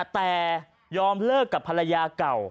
แต่ยอมเลิกกับภรรยาเก่า